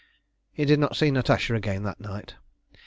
He did not see Natasha again that night.